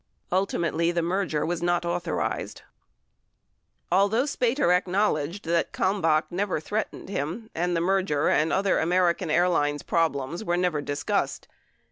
Ultimately the merger was not authorized. 16 Although Spater acknowledged that Kalmbach never threatened him, and the merger and other American Airlines problems were never discussed.